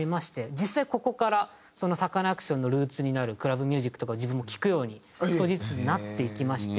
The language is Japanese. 実際ここからサカナクションのルーツになるクラブミュージックとか自分も聴くように少しずつなっていきまして。